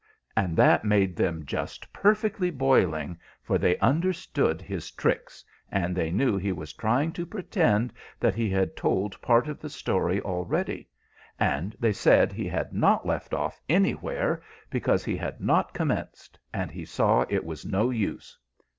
and that made them just perfectly boiling, for they understood his tricks, and they knew he was trying to pretend that he had told part of the story already; and they said he had not left off anywhere because he had not commenced, and he saw it was no use.